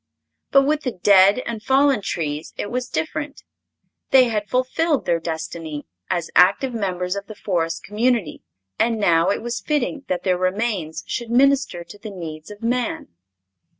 But with the dead and fallen trees it was different. They had fulfilled their destiny, as active members of the Forest community, and now it was fitting that their remains should minister to the needs of man.